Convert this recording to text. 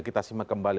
kita simak kembali